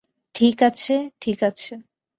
ঠিক আছে - ঠিক আছে?